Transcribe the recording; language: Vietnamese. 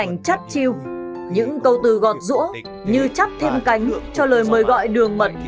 hình ảnh chắt chiêu những câu từ gọt rũa như chắp thêm cánh cho lời mời gọi đường mật